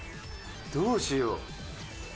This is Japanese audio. どうしよう？